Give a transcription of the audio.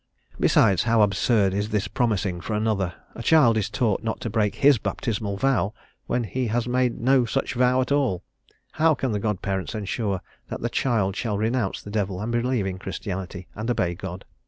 Besides, how absurd is this promising for another; a child is taught not to break his baptismal vow, when he has made no such vow at all; how can the god parents ensure that the child shall renounce the devil and believe in Christianity, and obey God?